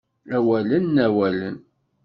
Awalen, awalen...